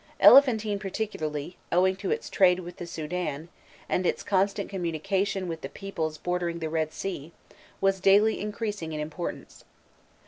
Elephantine particularly, owing to its trade with the Soudan, and its constant communication with the peoples bordering the Red Sea, was daily increasing in importance.